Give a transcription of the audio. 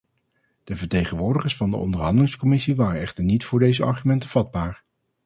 De vertegenwoordigers van de onderhandelingscommissie waren echter niet voor deze argumenten vatbaar.